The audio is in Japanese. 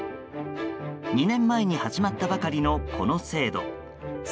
２年前に始まったばかりのこの制度。